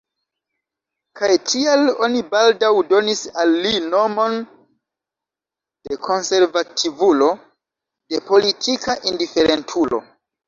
Kaj tial oni baldaŭ donis al li nomon de konservativulo, de politika indiferentulo.